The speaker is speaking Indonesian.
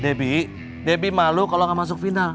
debbie debbie malu kalau nggak masuk final